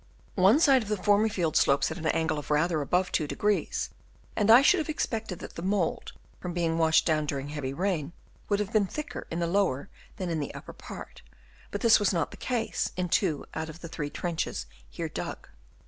One side of the former field slopes at an angle of rather above 2°, and I should have expected that R 228 BURIAL OF THE REMAINS Chap. IT. the mould, from being washed down during heavy rain, would have been thicker in the lower than in the upper part ; but this was not the case in two out of the three trenches here dug.